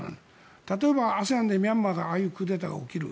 例えば、ＡＳＥＡＮでミャンマーがああいうクーデターが起きる。